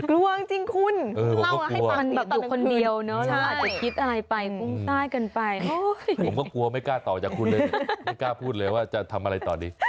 ล่วงจริงคุณลองให้แบบอยู่คนเดียวเนอะใช่